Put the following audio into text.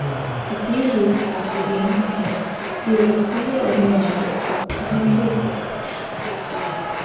A few weeks after being dismissed, he was appointed as manager of Coventry City.